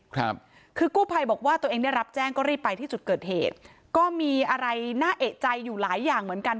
ครับคือกู้ภัยบอกว่าตัวเองได้รับแจ้งก็รีบไปที่จุดเกิดเหตุก็มีอะไรน่าเอกใจอยู่หลายอย่างเหมือนกัน